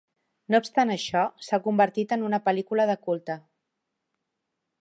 No obstant això, s'ha convertit en una pel·lícula de culte.